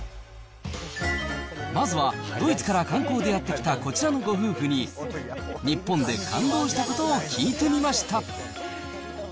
まずはドイツから観光でやって来たこちらのご夫婦に、日本で感動したことを聞いてみました。